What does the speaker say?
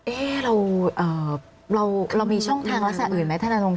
เอ๊ะเรามีช่องทางรัศนาอื่นไหมท่านอนุง